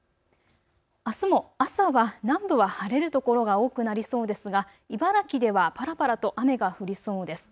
あすも朝は南部は晴れる所が多くなりそうですが茨城ではぱらぱらと雨が降りそうです。